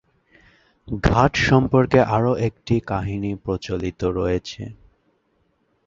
ঘাট সম্পর্কে আরও একটি কাহিনী প্রচলিত রয়েছে।